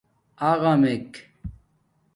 اغݳمک